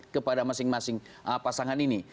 kepada masing masing pasangan ini